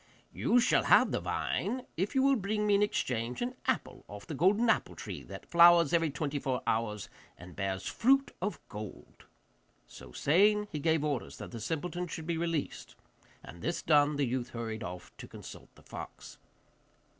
'You shall have the vine if you will bring me in exchange an apple off the golden apple tree that flowers every twenty four hours, and bears fruit of gold.' So saying, he gave orders that the simpleton should be released, and this done, the youth hurried off to consult the fox.